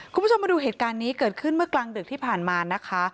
คุณผู้ชมมาดูเหตุการณ์นี้เกิดขึ้นเมื่อกลางดึกที่ผ่านมานะคะ